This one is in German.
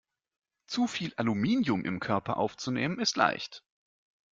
Zu viel Aluminium im Körper aufzunehmen, ist leicht.